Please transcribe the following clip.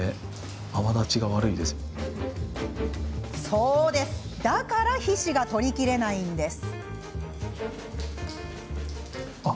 そう、だから皮脂が取りきれないんです。